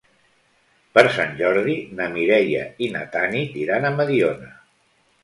Per Sant Jordi na Mireia i na Tanit iran a Mediona.